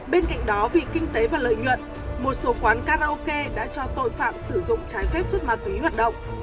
bên cạnh đó vì kinh tế và lợi nhuận một số quán karaoke đã cho tội phạm sử dụng trái phép chất ma túy hoạt động